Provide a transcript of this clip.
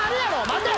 待て。